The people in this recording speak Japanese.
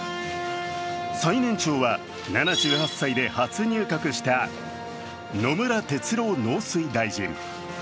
最年長は７８歳で初入閣した野村哲郎農水大臣。